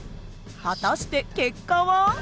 果たして結果は。